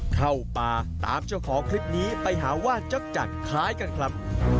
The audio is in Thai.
เข้าป่าตามเจ้าของคลิปนี้ไปหาว่าจักคล้ายกันครับ